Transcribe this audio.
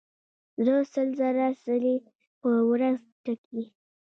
زړه سل زره ځلې په ورځ ټکي.